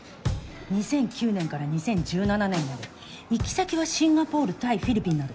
２００９年から２０１７年まで行き先はシンガポールタイフィリピンなど。